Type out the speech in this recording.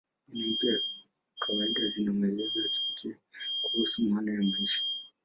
Dini mpya kawaida zina maelezo ya kipekee kuhusu maana ya maisha.